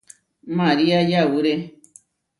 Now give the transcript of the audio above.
María yauré.